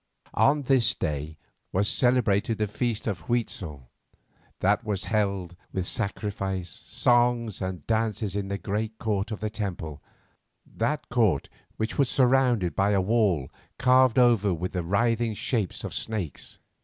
On this day was celebrated the feast of Huitzel, that was held with sacrifice, songs, and dances in the great court of the temple, that court which was surrounded by a wall carved over with the writhing shapes of snakes.